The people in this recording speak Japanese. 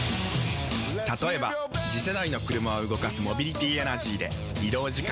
例えば次世代の車を動かすモビリティエナジーでまジカ⁉人間！